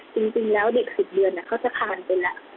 จริงแล้วเด็ก๑๐เดือนเขาจะทานไปแล้ว